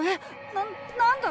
なっ何だ？